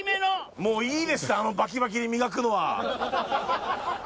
もういいですってあのバキバキに磨くのは。